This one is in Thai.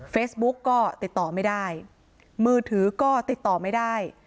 เฟซบุ๊กก็ติดต่อไม่ได้มือถือก็ติดต่อไม่ได้